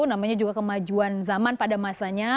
namanya juga kemajuan zaman pada masanya